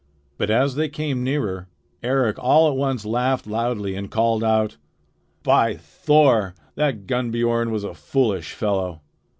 But as they came nearer, Eric all at once laughed loudly and called out: "By Thor, that Gunnbiorn was a foolish fellow.